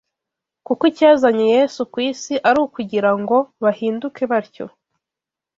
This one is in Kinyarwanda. kuko icyazanye Yesu ku isi ari ukugira ngo bahinduke batyo